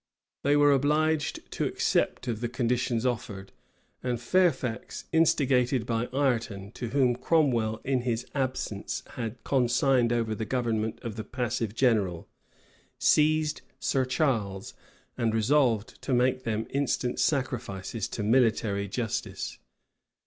They were obliged to accept of the conditions offered; and Fairfax, instigated by Ireton, to whom Cromwell in his absence had consigned over the government of the passive general, seized Sir Charles and resolved to make them instant sacrifices to military justice.